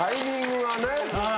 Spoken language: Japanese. はい。